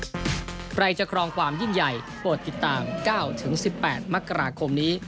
ใครจะครองความยิ่งใหญ่โปรดติดตาม๙๑๘มกราคมนี้